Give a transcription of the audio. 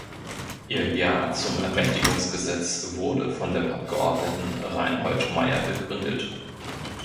Ihr „Ja“ zum Ermächtigungsgesetz wurde von dem Abgeordneten Reinhold Maier begründet.